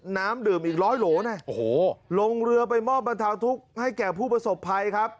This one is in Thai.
น้ำดื่มอีกร้อยโหลนะโอ้โหลงเรือไปมอบบรรเทาทุกข์ให้แก่ผู้ประสบภัยครับ